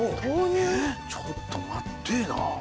ちょっと待ってえな。